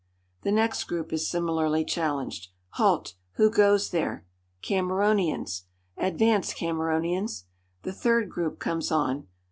The next group is similarly challenged: "Halt! Who goes there?" "Cameronians." "Advance, Cameronians." The third group comes on.